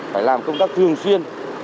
phải làm công tác thường xuyên